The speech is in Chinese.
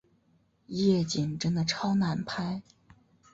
夜景真的超难拍